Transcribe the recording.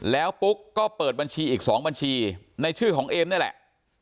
แล้วปุ๊กก็เปิดบัญชีอีก๒บัญชีในชื่อของเอมนี่แหละ